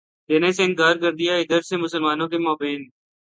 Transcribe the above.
دینے سے انکار کر دیا ادھر سے مسلمانوں کے مابین